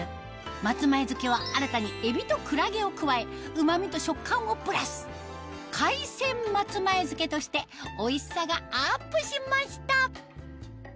松前漬けは新たに海老とクラゲを加えうま味と食感をプラス「海鮮松前漬」としておいしさがアップしました！